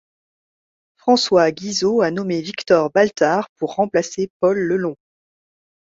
François Guizot a nommé Victor Baltard pour remplacer Paul Lelong.